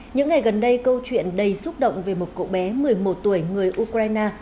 những ngày gần đây câu chuyện đầy xúc động về một cậu bé một mươi một tuổi người ukraine